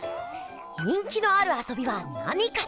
人気のあるあそびは何かな？